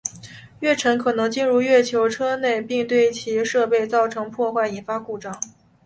月尘可能进入月球车内部并对其设备造成破坏引发故障。